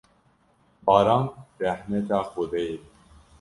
Baran rehmeta Xwedê ye.